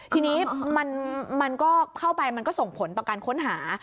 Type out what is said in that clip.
ทีนี้มันก็เข้าไปมันก็ส่งผลต่อการค้นหา